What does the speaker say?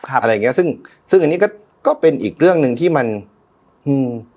อะไรอย่างเงี้ยซึ่งซึ่งอันนี้ก็ก็เป็นอีกเรื่องหนึ่งที่มันอืม